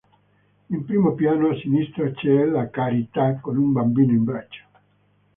In primo piano a sinistra c'è la "Carità" con un bambino in braccio.